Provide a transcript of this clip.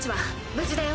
無事だよ。